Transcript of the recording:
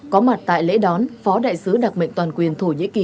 có mặt tại lễ đón phó đại sứ đặc mệnh toàn quyền thổ nhĩ kỳ